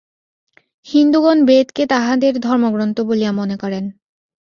হিন্দুগণ বেদকে তাঁহাদের ধর্মগ্রন্থ বলিয়া মনে করেন।